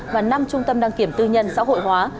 và năm trung tâm đăng kiểm tư nhân xã hội hóa